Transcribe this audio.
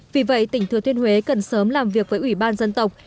vì vậy tỉnh thừa thiên huế cần sớm làm việc với ủy ban dân tộc